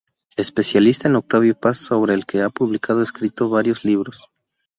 Especialista en Octavio Paz, sobre el que ha publicado escrito varios libros.